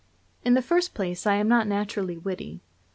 In the first place, I am not naturally witty.